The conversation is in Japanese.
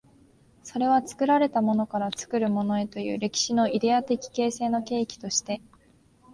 それは作られたものから作るものへという歴史のイデヤ的形成の契機として、